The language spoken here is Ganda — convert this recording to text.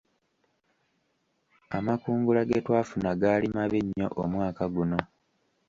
Amakungula ge twafuna gaali mabi nnyo omwaka guno.